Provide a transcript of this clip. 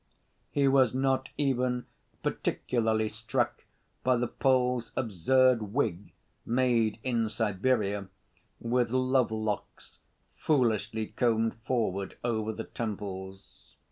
He was not even particularly struck by the Pole's absurd wig made in Siberia, with love‐locks foolishly combed forward over the temples.